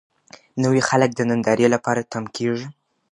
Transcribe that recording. نوي خلک د نندارې لپاره تم کېږي.